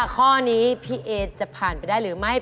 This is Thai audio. ข้อนี้พี่เอจะผ่านไปได้หรือไม่